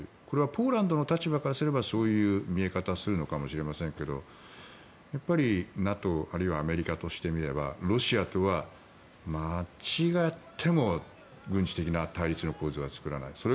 これはポーランドの大統領から見ればそういう見え方をするのかもしれませんがＮＡＴＯあるいはアメリカとしてみればロシアとは間違っても軍事的な対立の構図は作らない。